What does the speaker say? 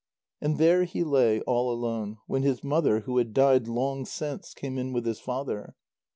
And there he lay all alone, when his mother, who had died long since, came in with his father.